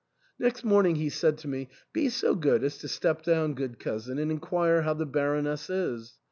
Next morning he said to me, " Be so good as to step down, good cousin, and inquire how the Baroness is.